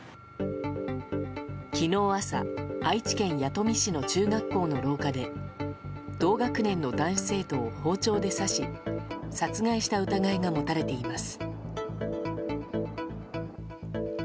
昨日朝、愛知県弥富市の中学校の廊下で同学年の男子生徒を包丁で刺し殺害した疑いが持たれています。